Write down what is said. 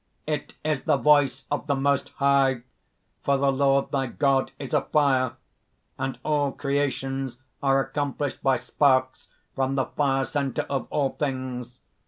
_) "It is the voice of the Most High; for 'the Lord thy God is a fire;' and all creations are accomplished by sparks from the fire centre of all things.